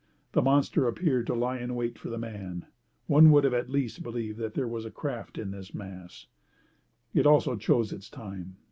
The monster appeared to lie in wait for the man. One would have at least believed that there was craft in this mass. It also chose its time.